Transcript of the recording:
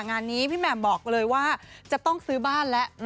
งานนี้พี่แหม่มบอกเลยว่าจะต้องซื้อบ้านแล้ว